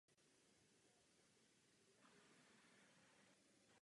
To není skutečná evropská politika.